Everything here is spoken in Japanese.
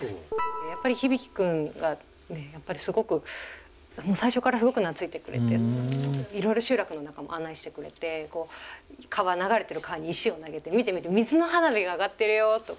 やっぱり日々貴くんがすごく最初からすごく懐いてくれていろいろ集落の中も案内してくれて流れてる川に石を投げて「見て見て水の花火があがってるよ」とか。